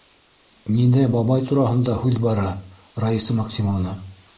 Ниндәй бабай тураһында һүҙ бара, Раиса Максимовна?